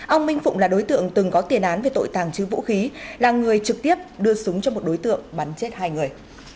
ông minh phụng là đối tượng từng có tiền án về tội tàng trữ vũ khí là người trực tiếp đưa súng cho một đối tượng bắn chết hai người